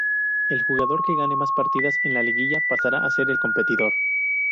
El jugador que gane más partidas en la liguilla pasará a ser el competidor.